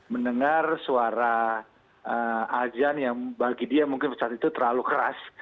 mendengar suara ajan yang bagi dia mungkin saat itu terlalu keras